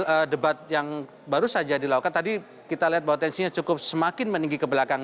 soal debat yang baru saja dilakukan tadi kita lihat bahwa tensinya cukup semakin meninggi ke belakang